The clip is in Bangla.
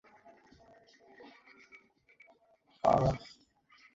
ইস্কুলের সব ছেলেরা দল বেঁধে গিয়েছিল সালনায়।